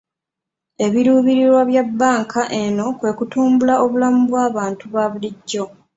Ebiruubirira bya bbanka eno kwe kutumbula obulamu bw'abantu babulijjo.